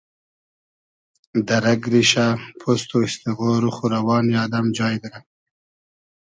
دۂ رئگ ریشۂ پوست و ایسیغۉ روخ و روانی آدئم جای دیرۂ